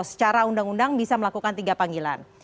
secara undang undang bisa melakukan tiga panggilan